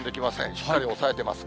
しっかり押さえてます。